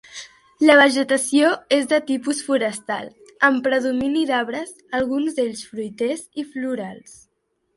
La vegetació és de tipus forestal, amb predomini d'arbres, alguns d'ells fruiters i florals.